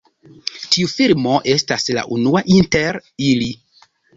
Tiu filmo estas la unua inter ili.